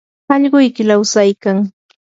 allquyki lawsaykan.